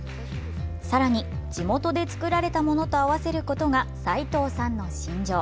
さらに地元で作られたものと合わせることが齋藤さんの信条。